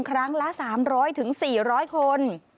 ครั้งละ๓๐๐๔๐๐คน